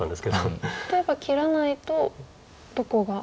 例えば切らないとどこが。